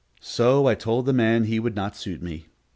So I told the man he would not suit me.